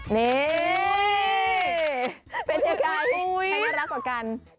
นี่เป็นใครใครน่ารักกว่ากันโอ้โฮ